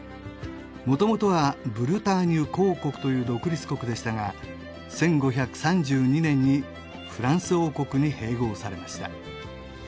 元々はブルターニュ公国という独立国でしたが１５３２年にフランス王国に併合されました